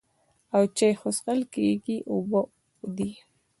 او چای خو څښل کېږي اوبه دي.